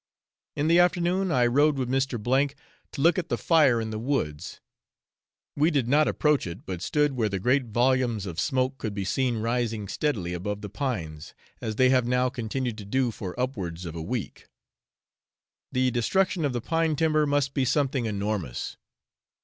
In the afternoon I rode with Mr. to look at the fire in the woods. We did not approach it, but stood where the great volumes of smoke could be seen rising steadily above the pines, as they have now continued to do for upwards of a week; the destruction of the pine timber must be something enormous.